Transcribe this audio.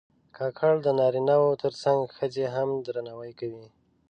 کاکړ د نارینه و تر څنګ ښځې هم درناوي کوي.